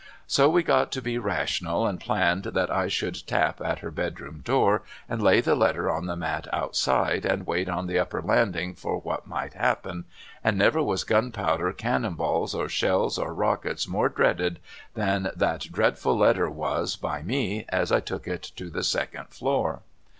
So we got to be rational, and planned that I should tap at her bedroom door and lay the letter on the mat outside and wait on the upper landing for what might happen, and never was gimpowder cannon balls or shells or rockets more dreaded than that dreadful letter was by me as I took it to the second floor.